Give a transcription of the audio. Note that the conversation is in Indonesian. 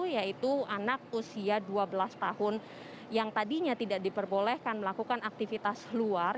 yaitu anak usia dua belas tahun yang tadinya tidak diperbolehkan melakukan aktivitas luar